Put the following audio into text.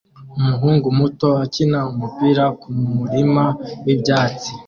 Umuhungu muto akina umupira kumurima wibyatsi